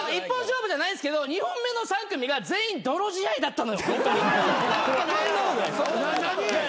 １本勝負じゃないんすけど２本目の３組が全員泥仕合だったのよホントに。